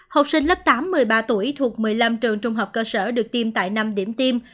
học sinh lớp tám một mươi ba tuổi thuộc một mươi năm trường trung học cơ sở được tiêm tại năm điểm tiêm